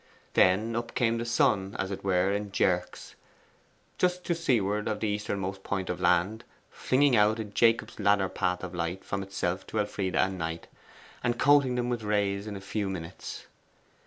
Then up came the sun, as it were in jerks, just to seaward of the easternmost point of land, flinging out a Jacob's ladder path of light from itself to Elfride and Knight, and coating them with rays in a few minutes.